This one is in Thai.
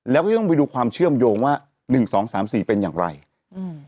แล้วก็จะต้องไปดูความเชื่อมโยงว่าหนึ่งสองสามสี่เป็นอย่างไรอืม